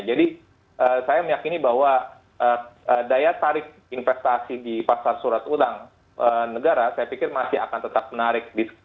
jadi saya meyakini bahwa daya tarik investasi di pasar surat utang negara saya pikir masih akan tetap menarik